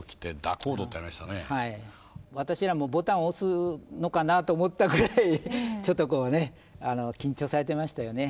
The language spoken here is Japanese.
私らもボタンを押すのかなと思ったぐらいちょっとこうね緊張されてましたよね。